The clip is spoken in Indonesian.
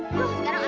makan yang apa ya